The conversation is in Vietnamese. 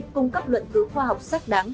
cung cấp luận cứu khoa học sách đáng